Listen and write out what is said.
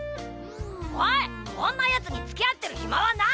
おいこんなヤツにつきあってるヒマはない！